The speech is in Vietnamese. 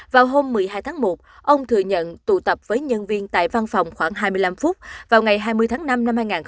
vào hôm một mươi hai tháng một ông thừa nhận tụ tập với nhân viên tại văn phòng khoảng hai mươi năm phút vào ngày hai mươi tháng năm năm hai nghìn hai mươi